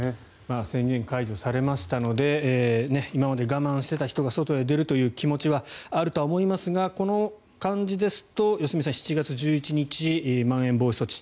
宣言解除されましたので今まで我慢してた人が外へ出るという気持ちはあると思いますがこの感じですと良純さん、７月１１日まん延防止措置